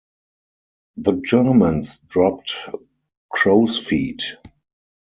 The Germans dropped "crowsfeet".